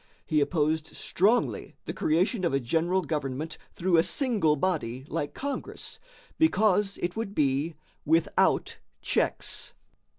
He opposed strongly the creation of a general government through a single body like Congress, because it would be without checks.